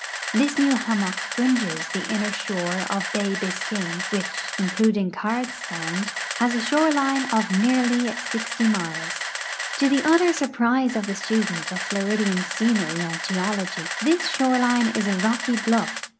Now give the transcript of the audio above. This new hammock fringes the inner shore of bay Bisca\me, which, including Cards sound, has a shore line of nearly 60 miles. To the utter surprise of the student of Floridian scenery and geology this shore line is a rock}" bluff.